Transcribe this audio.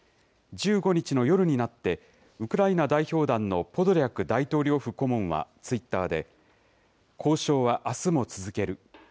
１５日の夜になって、ウクライナ代表団のポドリャク大統領府顧問はツイッターで、交渉はあすも続ける。